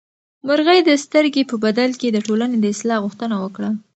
مرغۍ د سترګې په بدل کې د ټولنې د اصلاح غوښتنه وکړه.